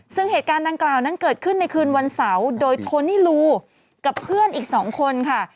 ซึ่งเหตุการณ์ดังกล่าวนั้นเกิดขึ้นในคืนวันเสาร์โดยโทนี่ลูกับเพื่อนอีก๒คนค่ะ